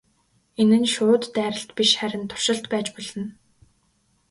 Энэ нь шууд дайралт биш харин туршилт байж болно.